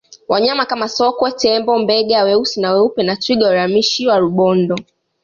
wanyama Kama sokwe tembo mbega weusi na weupe na twiga walihamishiwa rubondo